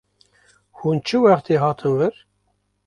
Hûn çê wextê hatin vir?